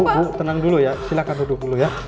bu tenang dulu ya silahkan duduk dulu ya